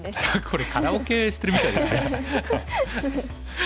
これカラオケしてるみたいですね。